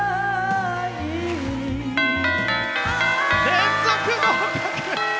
連続合格！